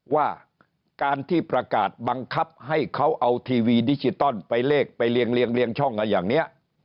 ว่าการที่ประกาศบังคับให้เขาเอาทีวีดิจิตอลไปเลขไปเรียงช่องกันอย่างนี้